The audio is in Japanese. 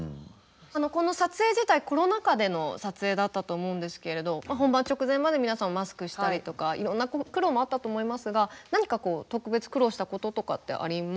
この撮影自体コロナ禍での撮影だったと思うんですけれど本番直前まで皆さんマスクしたりとかいろんな苦労もあったと思いますが何かこう特別苦労したこととかってありますか？